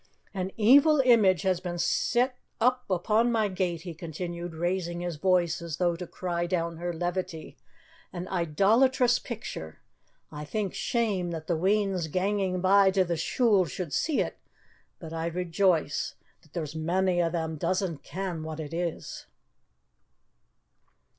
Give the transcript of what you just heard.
"An evil image has been set up upon my gate," he continued, raising his voice as though to cry down her levity, "an idolatrous picture. I think shame that the weans ganging by to the schule should see it. But I rejoice that there's mony o' them doesna' ken wha it is."